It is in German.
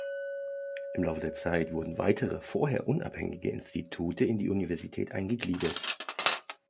Im Laufe der Zeit wurden weitere, vorher unabhängige Institute in die Universität eingegliedert.